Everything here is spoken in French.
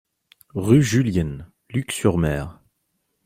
Rue Julienne, Luc-sur-Mer